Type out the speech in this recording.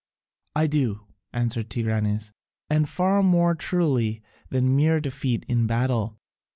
"I do," answered Tigranes, "and far more truly than mere defeat in battle.